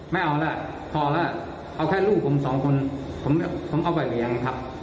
ไม่เอาแล้วพอแล้วเอาแค่ลูกผมสองคนผมเอาไปเลี้ยงครับ